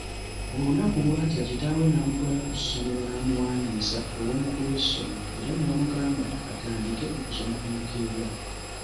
Olunaku lwakya kitaawe namutwala ku ssomero namuwandiisa ew’omukulu w’essomero era ne bamugamba atandike okusoma enkeera.